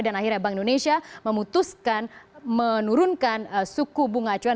dan akhirnya bank indonesia memutuskan menurunkan suku bunga acuan